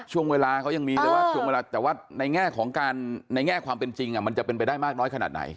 ช่วงเวลาเขายังมีเลยว่าช่วงเวลาแต่ว่าในแง่ของการในแง่ความเป็นจริงมันจะเป็นไปได้มากน้อยขนาดไหน